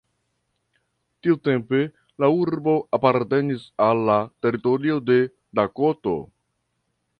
Tiutempe la urbo apartenis al la teritorio de Dakoto.